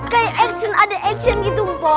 kayak ada action gitu po